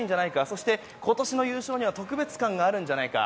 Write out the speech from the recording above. そして、今年の優勝には特別感があるんじゃないか。